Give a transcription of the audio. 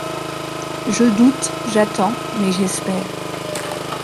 Je doute, j'attends, mais j'espère.